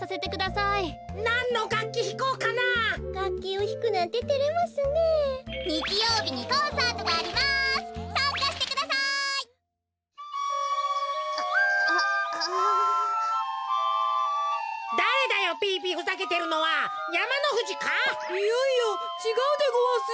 いやいやちがうでごわすよ。